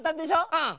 うん。